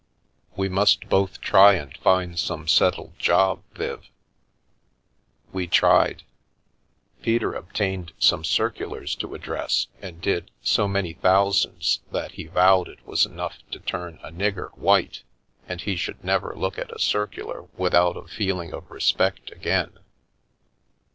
We must both try and find some settled job, Viv." We tried. Peter obtained some circulars to address, and did so many thousands that he vowed it was enough to turn a nigger white, and he should never look at a circular without a feeling of respect again.